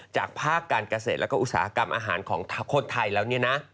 จากภาคการเกษตรและอุตสาหกรรมอาหารของคนไทยแล้ว